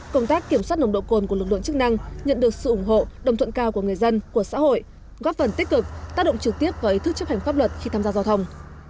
công tác kiểm soát nồng độ cồn của lực lượng chức năng nhận được sự ủng hộ đồng thuận cao của người dân của xã hội góp phần tích cực tác động trực tiếp vào ý thức chấp hành pháp luật khi tham gia giao thông